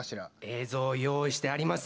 映像用意してあります。